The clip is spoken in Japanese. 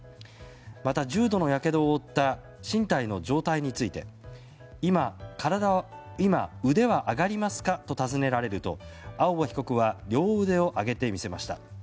また、重度のやけどを負った身体の状態について今、腕は上がりますか？と尋ねられると青葉被告は両腕を上げてみせました。